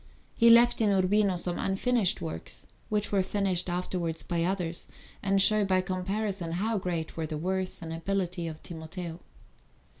He left in Urbino some unfinished works, which were finished afterwards by others and show by comparison how great were the worth and ability of Timoteo.